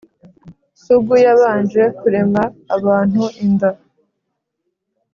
sugu yabanje kurema abantu inda.